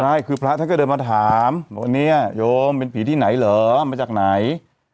ใช่คือพระท่านก็เดินมาถามว่าเนี่ยโยมเป็นผีที่ไหนเหรอมาจากไหน